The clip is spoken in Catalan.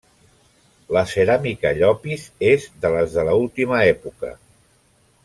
La Ceràmica Llopis és de les de l'última època.